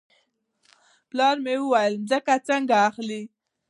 پلار مې وویل ځمکه څنګه اخلې.